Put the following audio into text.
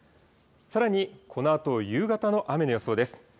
さらに、このあと夕方の雨の予想です。